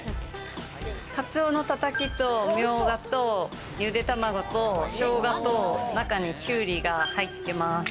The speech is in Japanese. カツオのたたきとミョウガと茹で卵とショウガと、中にきゅうりが入ってます。